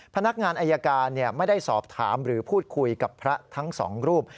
พนักงานอายการไม่ได้สอบถามหรือพูดคุยกับพระทั้งสองรูป